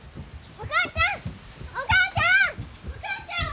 お母ちゃん